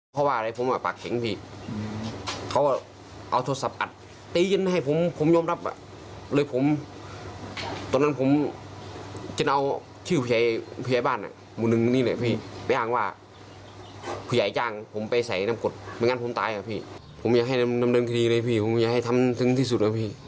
ผมอยากให้นำเริ่มคีย์เลยผมอยากให้ทำทั้งที่สุด